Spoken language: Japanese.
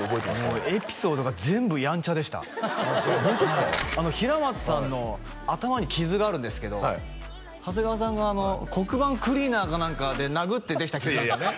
もうエピソードが全部やんちゃでした平松さんの頭に傷があるんですけど長谷川さんが黒板クリーナーか何かで殴ってできた傷なんですよね？